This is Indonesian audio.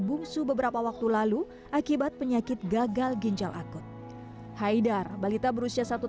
bungsu beberapa waktu lalu akibat penyakit gagal ginjal akut haidar balita berusia satu